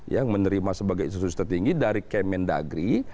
yang menerima sebagai institusi tertinggi dari kemen dagri